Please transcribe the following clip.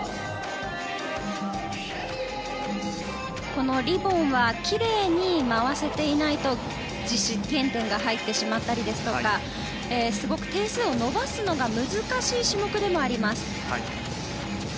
このリボンは奇麗に回せていないと実施減点が入ってしまったりですとかすごく点数を伸ばすのが難しい種目でもあります。